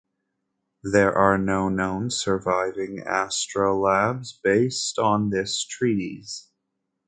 There are no known surviving astrolabes based on this treatise.